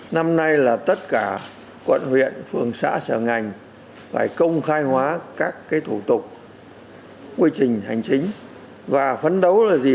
năm nay là tất cả quận huyện phường xã sở ngành phải công khai hóa các thủ tục quy trình hành chính và phấn đấu là gì